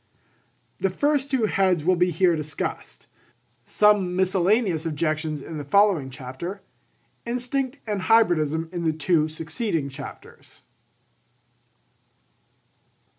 The two first heads will be here discussed; some miscellaneous objections in the following chapter; Instinct and Hybridism in the two succeeding chapters.